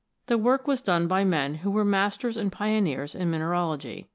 The work was done by men who were masters and pioneers in mineralogy.